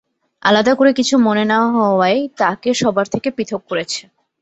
আলাদা করে কিছু মনে না হওয়াই তাঁকে সবার থেকে পৃথক করেছে।